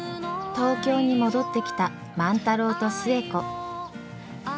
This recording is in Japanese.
東京に戻ってきた万太郎と寿恵子。